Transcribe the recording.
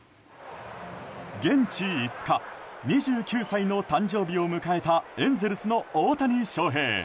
現地５日２９歳の誕生日を迎えたエンゼルスの大谷翔平。